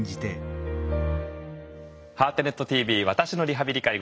「ハートネットＴＶ私のリハビリ・介護」。